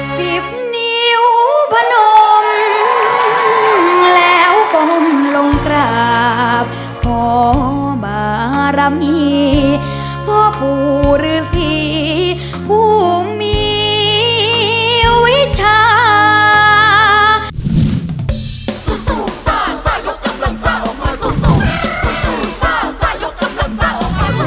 สิบนิ้วพนมแล้วก้มลงกราบขอบารมีพ่อปู่ฤษีผู้มีวิชา